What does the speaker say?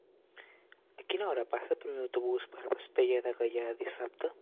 A quina hora passa el primer autobús per Vespella de Gaià dissabte?